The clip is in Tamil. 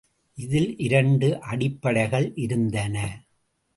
இதில் இரண்டு அடிப்படைகள் இருந்தன.